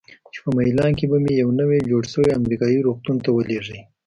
چې په میلان کې به مې یوه نوي جوړ شوي امریکایي روغتون ته ولیږي.